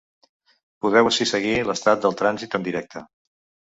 Podeu ací seguir l’estat del trànsit en directe.